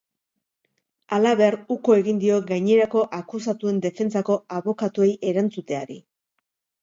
Halaber, uko egin dio gainerako akusatuen defentsako abokatuei erantzuteari.